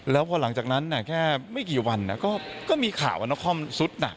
แล้วพอหลังจากนั้นแค่ไม่กี่วันก็มีข่าวว่านครสุดหนัก